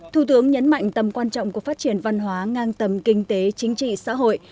thủ tướng nhấn mạnh tầm quan trọng của phát triển văn hóa ngang tầm kinh tế chính trị xã hội